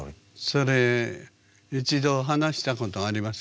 それ一度話したことありますか？